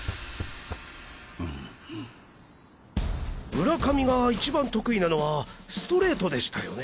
浦上が一番得意なのはストレートでしたよね？